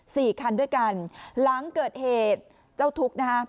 สี่คันด้วยกันหลังเกิดเหตุเจ้าทุกข์นะฮะ